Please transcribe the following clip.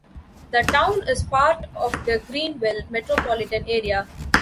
The town is part of the Greenville Metropolitan Area.